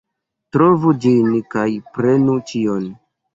Trovu ĝin kaj prenu ĉion!